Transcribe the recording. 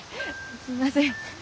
すみません。